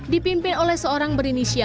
dipimpin oleh seorang berinisial